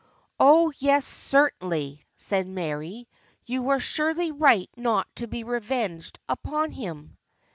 "Oh yes, certainly," said Mary, "you were surely right not to be revenged upon him."